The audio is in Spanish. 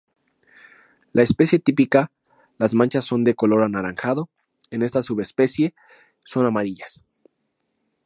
La especie típica las manchas son de color anaranjado, en esta subespecie son amarillas.